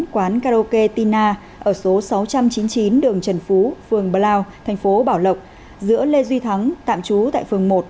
quán karaoke tinna ở số sáu trăm chín mươi chín đường trần phú phường blau thành phố bảo lộc giữa lê duy thắng tạm trú tại phường một